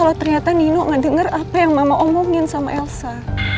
kalau ternyata nino gak denger apa yang mama omongin sama elsa